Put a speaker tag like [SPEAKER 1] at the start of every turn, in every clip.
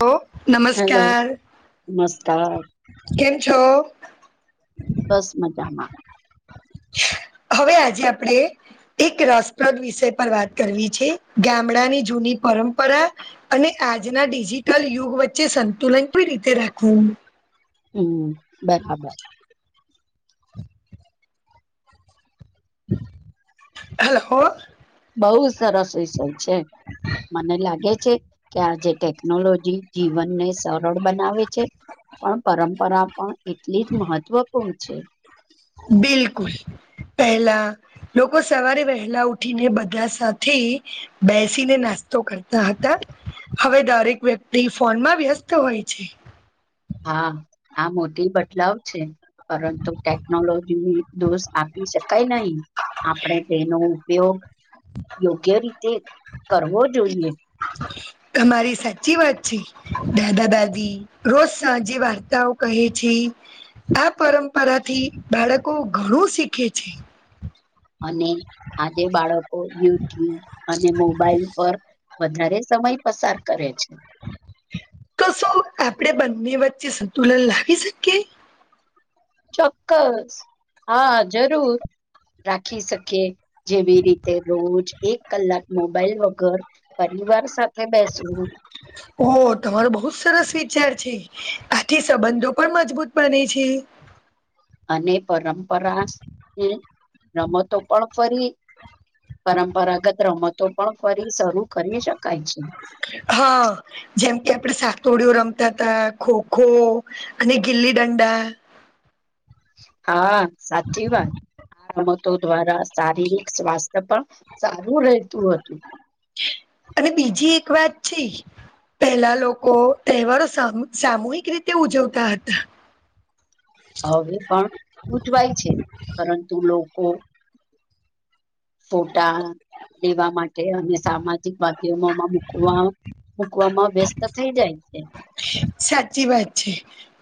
[SPEAKER 1] હ
[SPEAKER 2] હેલો
[SPEAKER 1] નમસ્કાર
[SPEAKER 2] નમસ્કાર
[SPEAKER 1] કેમ છો?
[SPEAKER 2] બસ મજામાં.
[SPEAKER 1] હવે આજે આપડે એક રસપ્રદ વિષય પર વાત કરવી છે ગામડાની જૂની પરંપરા અને આજના ડિજિટલ યુગ વચ્ચે સંતુલન કઈ રીતે રાખવું.
[SPEAKER 2] હમ્મ બરાબર.
[SPEAKER 1] હેલો
[SPEAKER 2] બઉ સરસ વિસય છે. મને લાગે છે કે આ જેે ટેકનોલોજી જીવનને સરળ બનાવે છે પણ પરંપરા પણ એટલી જ મહત્વપૂર્ણ છે.
[SPEAKER 1] બિલકુલ. પહેલા લોકો સવારે વહેલા ઉઠીને બધા સાથે બેસીને નાસ્તો કરતા હતા. હવે દરેક વ્યક્તિ ફોનમાં વ્યસ્ત હોય છે.
[SPEAKER 2] હા આ મોટી બદલાવ છે. પરંતુ ટેકનોલોજીને દોષ આપી શકાય નહી. આપણે તેનો ઉપયોગ યોગ્ય રીતે કરવો જોઈએ.
[SPEAKER 1] તમારી સાચી વાત છે. દાદા દાદી રોજ સાંજે વાર્તાઓ કહે છે. આ પરંપરાથી બાળકો ઘણું શીખે છે.
[SPEAKER 2] અને આજે બાળકો યુટ્યુબ અને મોબાઈલ પર વધારે સમય પસાર કરે છે.
[SPEAKER 1] તો શું આપણે બંને વચ્ચે સંતુલન લાવી શકીએ.
[SPEAKER 2] ચોક્કસ હા જરૂર. રાખી શકી જેવી રીતે રોજ એક કલાક મોબાઈલ વગર પરિવાર સાથે બેસવું
[SPEAKER 1] ઓ તમારો બહુ સરસ વિચાર છે આથી સંબંધો પણ મજબૂત બને છે
[SPEAKER 2] અને પરંપરા ને રમતો પણ ફરી પરંપરાગત રમતો પણ કરી શરૂ કરી શકાય છે
[SPEAKER 1] હા જેમ કે આપડે સાત્તોડિયો રમતા તા ખોખો અને ગીલી દંડા
[SPEAKER 2] હા સાચી વાત રમત તો દ્રારા શારીરિક સ્વાસ્થ્ય પણ સારું રહેતું હતું
[SPEAKER 1] અને બીજી એક વાત છે પહેલા લોકો તહેવારો સામ-સામૂહિક રીતે ઉજવતા હતા
[SPEAKER 2] હવે પણ ઉજવાય છે પરંતુ લોકો ફોટા લેવા માટે અને સામાજિક માધ્યમોમાં મુકવા મૂકવામાં વ્યસ્ત થઇ જાય છે
[SPEAKER 1] સાચી વાત છે.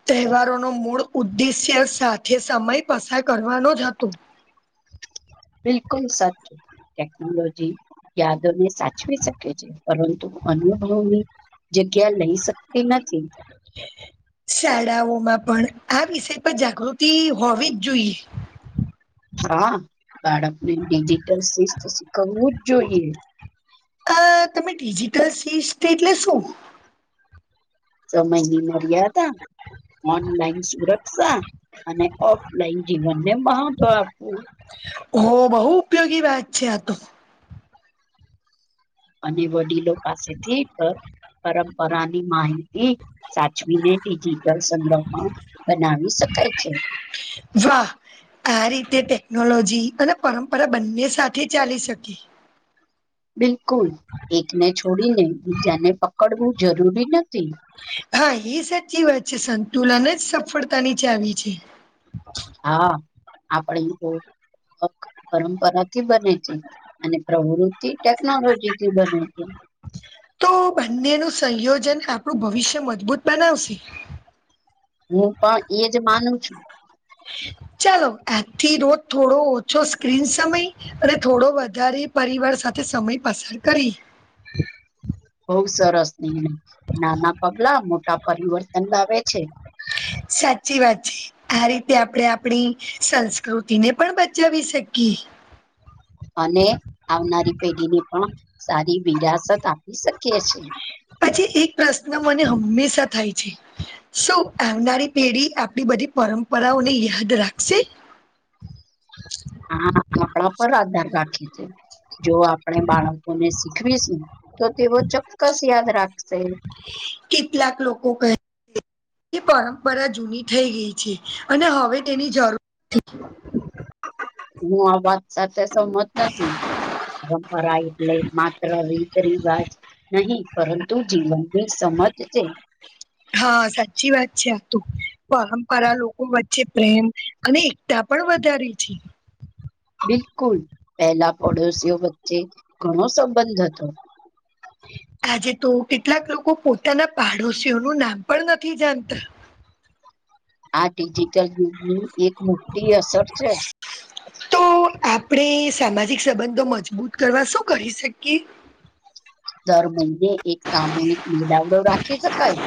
[SPEAKER 1] તહેવારોનો મૂળ ઉદ્દેશ્ય સાથે સમય પસાર કરવાનો જ હતો.
[SPEAKER 2] બિલકુલ સાચું. ટેકનોલોજી યાદોને સાચવી શકે છે પરંતુ અનુભવોની, જગ્યા લઈ શકતી નથી.
[SPEAKER 1] શાળાઓમાં પણ આ વિષય પર જાગૃતિ હોવી જ જોઈએ.
[SPEAKER 2] હા બાળકને ડિજિટલ શિસ્ત શીખવવું જ જોઈએ.
[SPEAKER 1] આ તમે ડિજિટલ શિસ્ત એટલે શું?
[SPEAKER 2] સમયની મર્યાદા. ઓનલાઈન સુરક્ષા અને ઓફલાઈન જીવનને મહત્વ આપવું.
[SPEAKER 1] હો બહુ ઉપયોગી વાત છે આ તો,
[SPEAKER 2] અને વડીલો પાસેથી પ-પરંપરાની માહિતી. સાચવીને ડિજિટલ સંગ્રહ પણ બનાવી શકાય છે.
[SPEAKER 1] વાહ! આ રીતે ટેકનોલોજી અને પરંપરા બંને સાથે ચાલી શકે.
[SPEAKER 2] બિલકુલ એકને છોડીને બીજાને પકડવું જરૂરી નથી.
[SPEAKER 1] હા એ સાચી વાત છે સંતુલન જ સફળતા ની ચાવી છે.
[SPEAKER 2] હા આપણી તો હક પરંપરા થી બને છે અને પ્રવૃત્તિ ટેકનોલોજી થી બને છે.
[SPEAKER 1] તો બંનેનું સંયોજન આપણું ભવિષ્ય મજબૂત બનાવશે.
[SPEAKER 2] હું પણ એજ માનું છું.
[SPEAKER 1] ચલો આજ થી રોજ થોડો ઓછો સ્ક્રીન સમય. અને થોડો વધારે પરિવાર સાથે સમય પસાર કરી,
[SPEAKER 2] બઉ સરસ નિર્ણય નાના પગલા મોટા પરિવર્તન લાવે છે.
[SPEAKER 1] સાચી વાત છે. આ રીતે આપડે આપણી સંસ્કૃતિને પણ બચાવી શકીએ.
[SPEAKER 2] અને આવનારી પેઢીને પણ સારી વિરાસત આપી શકીએ છીએ.
[SPEAKER 1] પછી એક પ્રશ્ન મને હંમેશા થાય છે. શું આવનારી પેઢી આપણી બધી પરંપરાઓને યાદ રાખશે?
[SPEAKER 2] આ આપણા પર આધાર રાખે છે, જો આપણે બાળકોને શીખવીશું તો તેઓ ચોક્કસ યાદ રાખશે.
[SPEAKER 1] કેટલાક લોકો કહે. એ પરંપરા જૂની થઈ ગઈ છે અને હવે તેની જરૂર.
[SPEAKER 2] હું આ વાત સાથે સંમત નથી. પરંપરા એટલે માત્ર રીત-રિવાજ નહી. પરંતુ જીવનની સમજ છે.
[SPEAKER 1] હ, સાચ્ચી વાત છે આ તો, પરંપરા લોકો વચ્ચે પ્રેમ અને એકતા પણ વધારે છે.
[SPEAKER 2] બિલકુલ પેલા પડોશીઓ વચ્ચે ઘણો સંબંધ હતો.
[SPEAKER 1] આજે તો કેટલાક લોકો પોતાના પાડોશીઓનું નામ પણ નથી જાણતા. [inaudible]
[SPEAKER 2] આ ડિજિટલ યુગની એક મોટ્ટી અસર છે.
[SPEAKER 1] તો આપણે સામાજિક સંબંધો મજબૂત કરવા શું કરી શકીએ?
[SPEAKER 2] દર મઈને એક સામૂહિક મિલાવડો રાખી શકાય.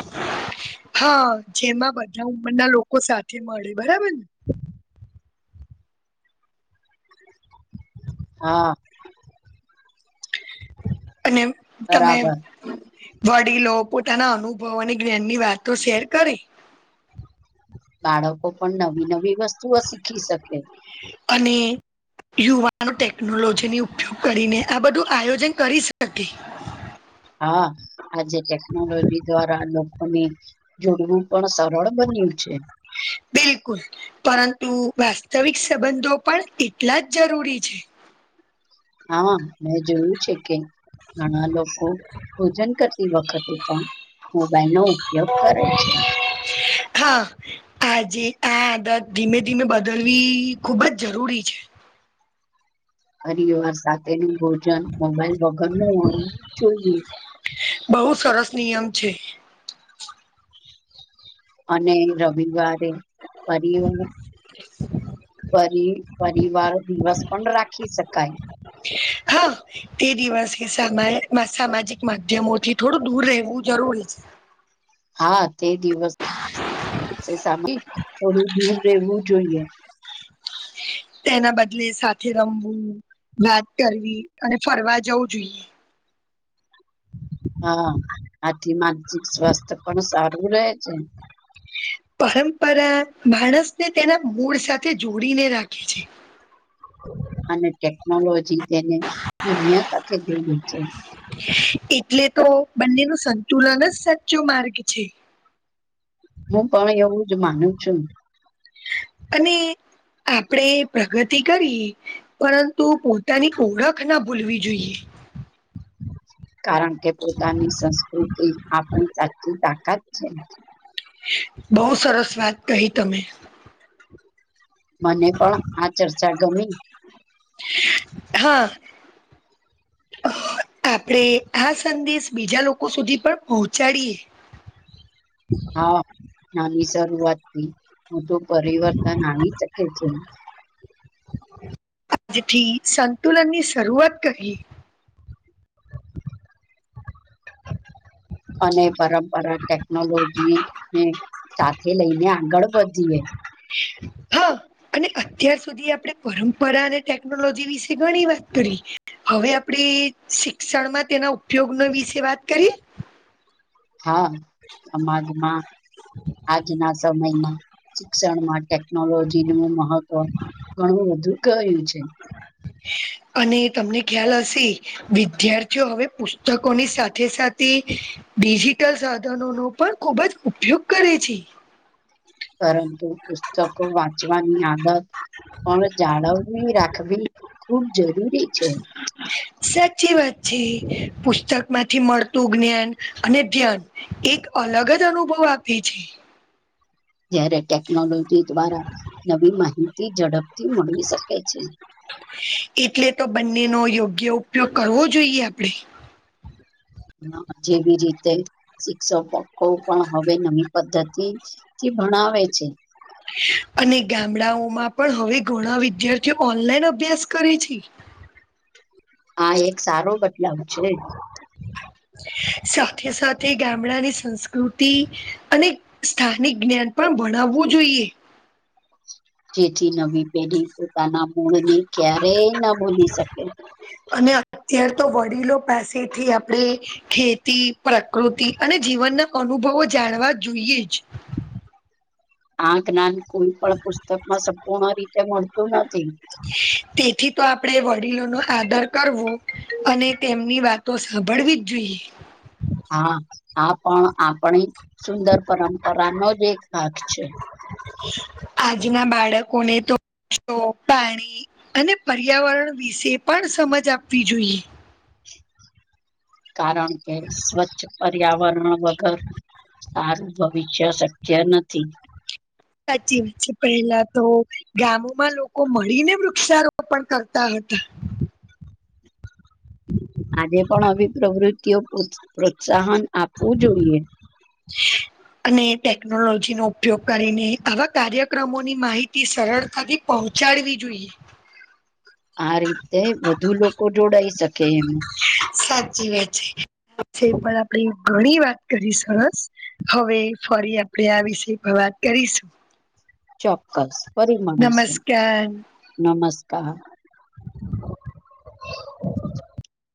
[SPEAKER 1] હા, જેમાં બધા ઉંમરના લોકો સાથે મળે, બરાબર ને?
[SPEAKER 2] હા.
[SPEAKER 1] અને, તમે
[SPEAKER 2] બરાબર
[SPEAKER 1] વડીલો પોતાના અનુભવોની જ્ઞાનની વાતો શેર કરી.
[SPEAKER 2] બાળકો પણ નવી-નવી વસ્તુઓ શીખી શકે.
[SPEAKER 1] અને, યુવાનો ટેકનોલોજીની ઉપયોગ કરીને આ બધું આયોજન કરી શકે.
[SPEAKER 2] હા, આજે ટેકનોલોજી દ્વારા લોકોની. જોડવું પણ સરળ બન્યું છે.
[SPEAKER 1] બિલકુલ. પરંતુ વાસ્તવિક સંબંધો પણ એટલા જ જરૂરી છે.
[SPEAKER 2] હા, મેં જોયું છે કે, ઘણા લોકો ભોજન કરતી વખતે પણ. મોબાઈલનો ઉપયોગ કરે છે.
[SPEAKER 1] હા આજે આ આદત ધીમે-ધીમે બદલવી ખૂબ જ જરૂરી છે.
[SPEAKER 2] હરિ યુવાર સાથેનું ભોજન મોબાઈલ વગર નું હોવું જ જોઈએ.
[SPEAKER 1] બહુ સરસ નિયમ છે.
[SPEAKER 2] અને રવિવારે પરીઓનું પરી. પરિવાર દિવસ પણ રાખી શકાય.
[SPEAKER 1] [inaudible] હા, તે દિવસે સામાય મા સામાજિક માધ્યમોથી થોડું દૂર રેવું જરૂરી છે.
[SPEAKER 2] હા, તે દિવસ સે સામા થોડું દૂર રેવું જોઈએ.
[SPEAKER 1] તેના બદલે સાથે રમવું, વાત કરવી અને ફરવા જવું જોઈએ.
[SPEAKER 2] હા, આથી માનસિક સ્વાસ્થ પણ સારું રહે છે.
[SPEAKER 1] પરંપરા માણસને તેના મૂળ સાથે જોડીને રાખે છે.
[SPEAKER 2] અને ટેકનોલોજી તેને દુનિયા સાથે જોડ્યું છે.
[SPEAKER 1] એટલે તો બન્ને નું સંતુલન જ સાચ્ચો માર્ગ છે.
[SPEAKER 2] હું પણ એવું જ માનું છું.
[SPEAKER 1] અને આપડે પ્રગતિ કરીએ. પરંતુ પોતાની ઓળખ ના ભૂલવી જોઈએ.
[SPEAKER 2] કારણ કે પોતાની સંસ્કૃતિ આપણી સાચ્ચી તાકાત છે.
[SPEAKER 1] બહુ સરસ વાત કહી તમે.
[SPEAKER 2] મને પણ આ ચર્ચા ગમી.
[SPEAKER 1] હા, આપડે આ સંદેશ બીજા લોકો સુધી પણ પોચાડીએ.
[SPEAKER 2] હા, નાની શરૂઆતથી મોટું પરિવર્તન આવી શકે છે.
[SPEAKER 1] જેથી સંતુલનની શરૂઆત કરવી.
[SPEAKER 2] અને પરંપરા ટેકનોલોજી ને સાથે લઈને આગળ વધીએ.
[SPEAKER 1] [inaudible] હા અને અત્યાર સુધી આપણે પરંપરા અને ટેકનોલોજી વિશે ઘણી વાત કરી. હવે આપણેે શિક્ષણમાં તેના ઉપયોગનો વિશે વાત કરીએ.
[SPEAKER 2] હા સમાજમાં આજના સમયમાં. શિક્ષણમાં ટેકનોલોજી નું મહત્વ ઘણું બધું ક્યું છે.
[SPEAKER 1] [inaudible] અને તમને ખ્યાલ હશે વિદ્યાર્થીઓ હવે પુસ્તકોની સાથે સાથે, ડિજિટલ સાધનોનો પણ ખૂબ જ ઉપયોગ કરે છે.
[SPEAKER 2] પરંતુ પુસ્તકો વાંચવાની આદત પણ જાળવણી રાખવી ખુબ જરૂરી છે.
[SPEAKER 1] સાચી વાત છે પુસ્તક માંથી મળતું જ્ઞાન અને ધ્યાન એક અલગ જ અનુભવ આપે છે.
[SPEAKER 2] જયારે ટેકનોલોજી દ્વારા નવી માહિતી ઝડપથી મળવી શકે છે.
[SPEAKER 1] એટલે તો બંનેનો યોગ્ય ઉપયોગ કરવો જોઈએ આપણેે.
[SPEAKER 2] જેવી રીતે શિક્ષકોકો પણ હવે નવી પદ્ધતિ થી ભણાવે છે.
[SPEAKER 1] અને ગામડાઓમાં પણ હવે ઘણા વિદ્યાર્થીઓ ઓનલાઈન અભ્યાસ કરે છે.
[SPEAKER 2] હા એક સારો બદલાવ છે.
[SPEAKER 1] સાથે સાથે ગામડાની સંસ્કૃતિ અને સ્થાનિક જ્ઞાન પણ ભણાવવું જોઈએ.
[SPEAKER 2] જેથી નવી પેઢી પોતાના મૂળ ને ક્યારેય ના ભૂલી શકે.
[SPEAKER 1] અને અત્યારે તો વડીલો પાસેથી આપણે ખેતી પ્રકૃતિ અને જીવનના અનુભવો જાણવા જોઈએ જ.
[SPEAKER 2] આ જ્ઞાન કોઈ પણ પુસ્તકમાં સંપૂર્ણ રીતે મળતું નથી.
[SPEAKER 1] તેથી તો આપણેે વડીલો નો આદર કરવો અને તેમની વાત તો સાંભળ વીજ જોયે. [unintelligible] [unintelligible]
[SPEAKER 2] હા આ પણ આપણી સુંદર પરંપરાનો જ એક ભાગ છે.
[SPEAKER 1] આજના બાળકોને તો શો પાણી અને પર્યાવરણ વિશે પણ સમજ આપવી જોઈએ.
[SPEAKER 2] [inaudible] [inaudible] કારણ કે સ્વચ્છ પર્યાવરણ વગર સારું [inaudible] ભવિષ્ય શક્ય નથી.
[SPEAKER 1] સાચી વાત છે પેલા તો ગામોમાં લોકો મળીને વૃક્ષારોપણ કરતા હતા. [inaudible]
[SPEAKER 2] આજે પણ આવી પ્રવૃતિઓ પ્રોત્સાહન આપવું જોઈએ.
[SPEAKER 1] અને ટેકનોલોજીનો ઉપયોગ કરીને આવા કાર્યક્રમોની માહિતી સરળતાથી પહોંચાડવી જોઈએ.
[SPEAKER 2] આ રીતે વધુ લોકો જોડાઈ શકે એમ.
[SPEAKER 1] સાચી વાત છે [inaudible] આપે ઘણી વાત કરી સરસ. હવે ફરી આપણેે આ વિષ પર વાત કરીશું.
[SPEAKER 2] ચોક્કસ ફરી મળીશું
[SPEAKER 1] નમસ્કાર
[SPEAKER 2] નમસ્કાર.